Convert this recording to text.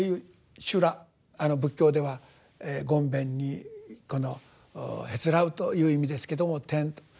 あの仏教では「ごんべん」に「へつらう」という意味ですけども「諂」。